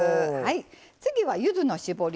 次はゆずの搾り汁。